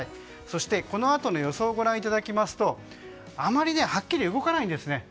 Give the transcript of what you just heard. そしてこのあとの予想をご覧いただきますとあまりはっきり動かないんですね。